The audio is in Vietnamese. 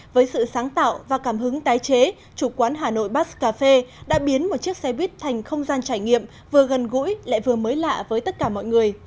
với sự sáng tạo và cảm hứng tái chế chủ quán hà nội bus cà phê đã biến một chiếc xe buýt thành không gian trải nghiệm vừa gần gũi lại vừa mới lạ với tất cả mọi người